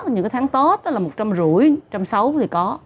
những tháng tốt là một trăm năm mươi một trăm sáu mươi thì có